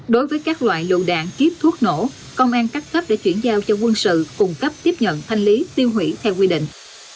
đối với các loại lụ đạn kiếp thuốc nổ công an cắt cấp để chuyển giao cho quân sự cùng cấp tiếp nhận thanh lý tiêu hủy theo quy định